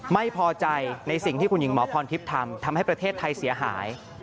ไม่พอใจในสิ่งที่คุณหญิงหมอพรทิพย์ทำทำให้ประเทศไทยเสียหาย